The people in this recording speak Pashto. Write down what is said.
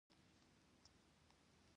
دا امکان نه شته چې دې بازار ته بیا راشم.